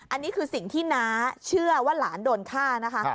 อันนี้คือสิ่งที่น้าเชื่อว่าหลานโดนฆ่านะคะ